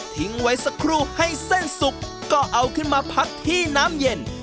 ไว้สักครู่ให้เส้นสุกก็เอาขึ้นมาพักที่น้ำเย็น